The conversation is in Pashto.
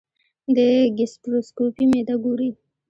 د ګیسټروسکوپي معده ګوري.